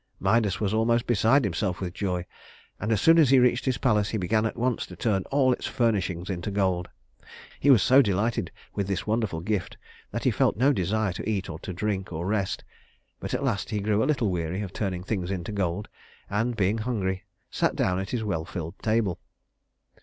Midas was almost beside himself with joy; and as soon as he reached his palace he began at once to turn all its furnishings into gold. He was so delighted with his wonderful gift that he felt no desire to eat or drink or rest; but at last he grew a little weary of turning things into gold, and, being hungry, sat down at his well filled table.